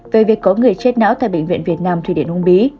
về việc có người chết não tại bệnh viện việt nam thủy điển ung bí